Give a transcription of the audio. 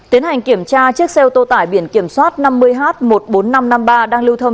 tiến hành kiểm tra chiếc xe ô tô tải biển kiểm soát năm mươi h một mươi bốn nghìn năm trăm năm mươi ba đang lưu thông